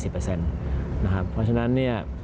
เพราะฉะนั้น